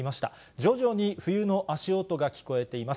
徐々に冬の足音が聞こえています。